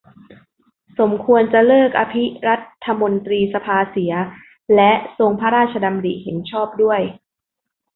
สมควรจะเลิกอภิรัฐมนตรีสภาเสีย และทรงพระราชดำริเห็นชอบด้วย